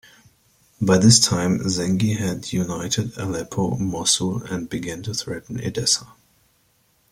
By this time, Zengi had united Aleppo and Mosul and began to threaten Edessa.